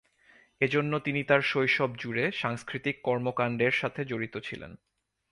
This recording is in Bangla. এজন্য় তিনি তার শৈশব জুড়ে সাংস্কৃতিক কর্মকাণ্ডের সাথে জড়িত ছিলেন।